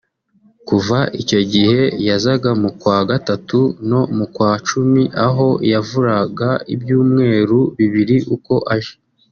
Kuva icyo gihe yazaga mu kwa Gatatu no mu kwa Cumi aho yavuraga ibyumweru bibiri uko aje